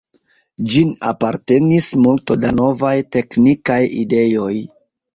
Ĝin apartenis multo da novaj teknikaj ideoj.